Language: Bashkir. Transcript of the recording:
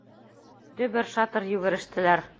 Дөбөр-шатыр йүгерештеләр.